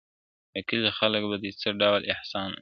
د کلې خلگ به دي څه ډول احسان ادا کړې.